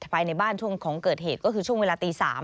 ภายในบ้านช่วงของเกิดเหตุก็คือช่วงเวลาตี๓